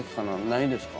ないですか？